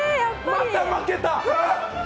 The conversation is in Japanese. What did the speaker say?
また負けた！